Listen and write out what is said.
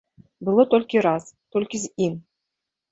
Было толькі раз, толькі з ім.